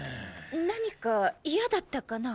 何か嫌だったかな？